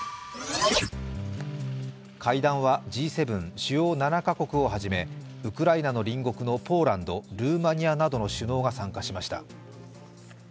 会談はＧ７＝主要７か国をはじめウクライナの隣国のポーランドルーマニアなどの首脳が参加しました。